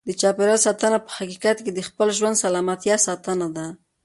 د چاپیریال ساتنه په حقیقت کې د خپل ژوند د سلامتیا ساتنه ده.